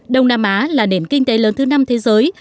đông nam á là nền kinh tế lớn thứ năm thế giới